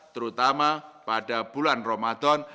terutama pada bulan ramadan